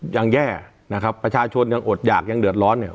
ยังแย่นะครับประชาชนยังอดหยากยังเดือดร้อนเนี่ย